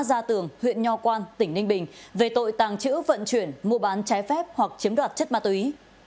hộ khẩu thường huyện nho quang tỉnh ninh bình về tội tàng trữ vận chuyển mua bán trái phép hoặc chiếm đoạt chất ma túy